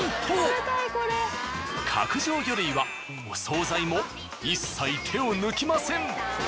角上魚類はお惣菜も一切手を抜きません。